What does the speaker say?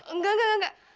engga engga engga